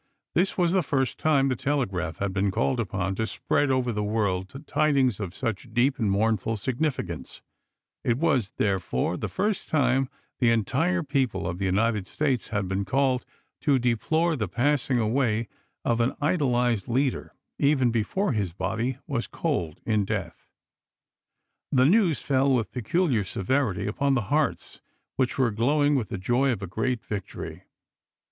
This was the first time the telegraph had been called upon to spread over the world tidings of such deep and mournful significance; it was therefore the first time the entire people of the United States had been called to deplore the passing away of an idol ized leader even before his body was cold in death. The news fell with peculiar severity upon the hearts which were glowing with the joy of a great victory.